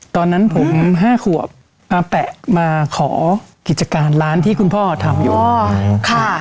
ตอนนั้นผม๕ขวบอาแปะมาขอกิจการร้านที่คุณพ่อทำอยู่ใช่ค่ะ